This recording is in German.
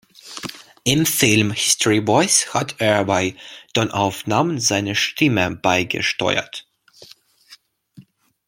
Im Film "History Boys" hat er bei Tonaufnahmen seine Stimme beigesteuert.